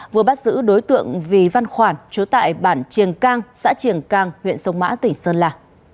vừa bắt giữ đối tượng vì văn khoản chú tại bản triềng cang xã triềng cang huyện sông mã tỉnh sơn la